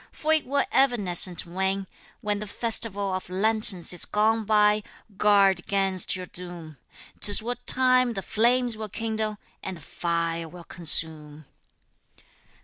for it will evanescent wane, When the festival of lanterns is gone by, guard 'gainst your doom, 'Tis what time the flames will kindle, and the fire will consume.